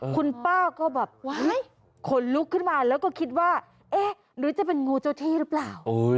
คุณป้าก็แบบว้ายขนลุกขึ้นมาแล้วก็คิดว่าเอ๊ะหรือจะเป็นงูเจ้าที่หรือเปล่า